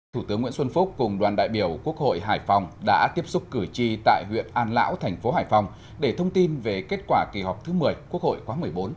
thủ tướng nguyễn xuân phúc cùng đoàn đại biểu quốc hội hải phòng đã tiếp xúc cử tri tại huyện an lão thành phố hải phòng để thông tin về kết quả kỳ họp thứ một mươi quốc hội khóa một mươi bốn